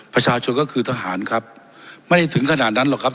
ประชาชนก็คือทหารครับไม่ได้ถึงขนาดนั้นหรอกครับ